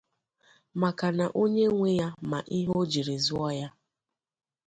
Maka na onye nwe ya ma ihe o jìrì zụọ ya